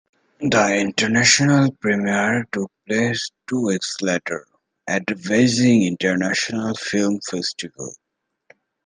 The international premiere took place two weeks later at the Beijing International Film Festival.